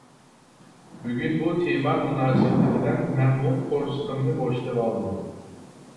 بۈگۈن بۇ تېما مۇناسىۋىتى بىلەن مەنمۇ قورسىقىمنى بوشىتىۋالدىم.